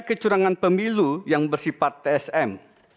kecurangan pemilu yang bersifat tsm